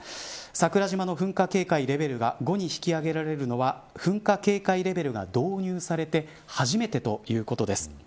桜島の噴火警戒レベルが５に引き上げられるのは噴火警戒レベルが導入されて初めてということです。